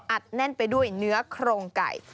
แน่นไปด้วยเนื้อโครงไก่